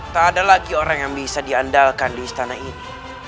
tak ada lagi orang yang bisa diandalkan di istana ini